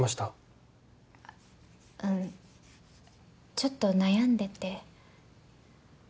ちょっと悩んでて。